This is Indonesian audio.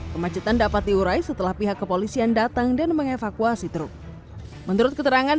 kemacetan dapat diurai setelah pihak kepolisian datang dan mengevakuasi truk menurut keterangan